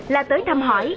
là tới thăm hỏi